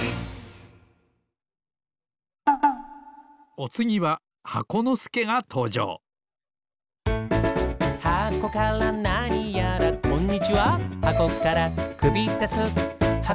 おつぎは箱のすけがとうじょうこんにちは。